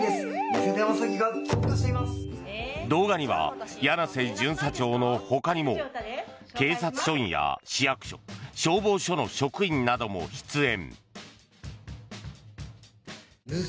動画には柳瀬巡査長のほかにも警察署員や市役所消防署の職員なども出演。